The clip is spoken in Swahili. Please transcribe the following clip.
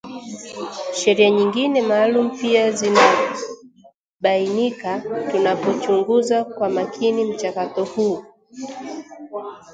Sheria nyingine maalum pia zinabainika tunapochunguza kwa makini mchakato huu